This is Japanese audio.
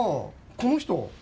この人。